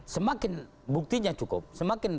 semakin buktinya cukup semakin